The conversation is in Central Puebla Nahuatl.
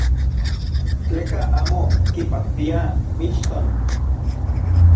Tleka amo kipaktia mixton.